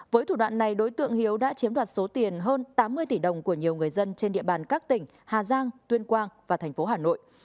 với thủ đoạn này đối tượng hiếu đã chiếm đoạt số tiền hơn tám mươi tỷ đồng của nhiều người dân trên địa bàn các tỉnh hà giang tuyên quang và thành phố hà nội